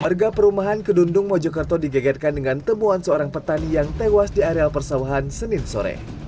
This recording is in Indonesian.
warga perumahan kedundung mojokerto digegerkan dengan temuan seorang petani yang tewas di areal persawahan senin sore